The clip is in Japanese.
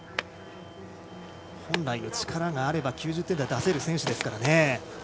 本来の力があれば９０点台出せる選手ですからね。